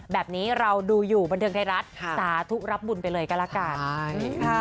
แบบนี้เราดูอยู่บันเทิงไทยรัฐสาธุรับบุญไปเลยก็แล้วกัน